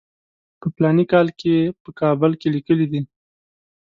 په فلاني کال کې په کابل کې لیکلی دی.